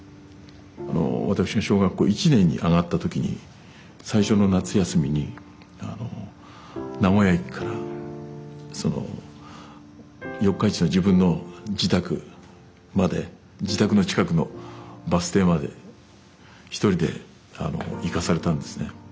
私が小学校１年に上がった時に最初の夏休みに名古屋駅からその四日市の自分の自宅まで自宅の近くのバス停まで１人で行かされたんですね。